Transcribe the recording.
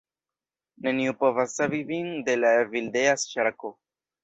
Neniu povas savi vin de la Evildea ŝarko!